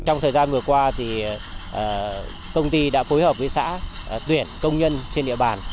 trong thời gian vừa qua công ty đã phối hợp với xã tuyển công nhân trên địa bàn